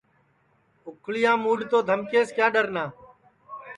اُکھݪِیام موڈؔ تو دھمکیس کِیا ڈؔنا